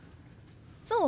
そう？